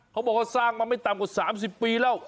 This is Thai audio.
เขาบอกว่าสร้างมาไม่ต่ำกว่า๓๐ปีแล้ว